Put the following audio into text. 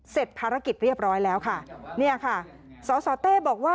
เสร็จภารกิจเรียบร้อยแล้วค่ะเนี่ยค่ะสสเต้บอกว่า